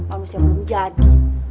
amusnya belum jadi